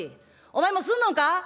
お前もすんのんか？」。